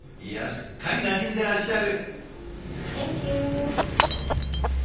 いやすっかりなじんでらっしゃる。